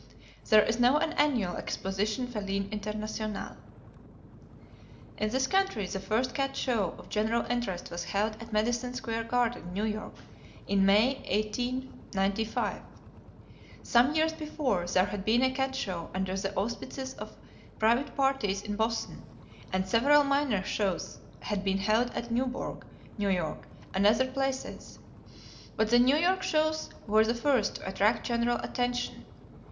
There is now an annual "Exposition Feline Internationale." In this country the first cat show of general interest was held at Madison Square Garden, New York, in May, 1895. Some years before, there had been a cat show under the auspices of private parties in Boston, and several minor shows had been held at Newburgh, N.Y., and other places. But the New York shows were the first to attract general attention.